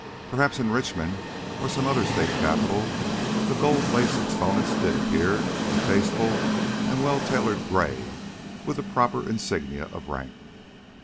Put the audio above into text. Perhaps in Richmond or some state capitol the gold lace exponents did appear in tasteful and well tailored gray with the proper insignia of rank.